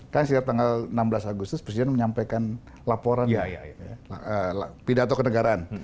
kan setiap tanggal enam belas agustus presiden menyampaikan laporan pidato ke negaraan